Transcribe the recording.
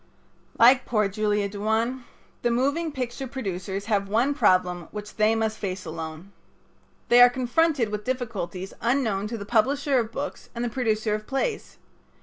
Like poor Julia Duane, the moving picture producers have one problem which they must face alone. They are confronted with difficulties unknown to the publisher of books and the producer of plays.